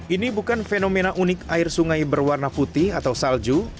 ini bukan fenomena unik air sungai berwarna putih atau salju